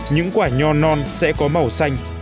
những quả nhò non sẽ có màu xanh